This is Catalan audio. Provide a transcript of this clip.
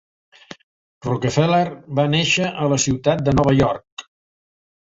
Rockefeller va néixer a la ciutat de Nova York.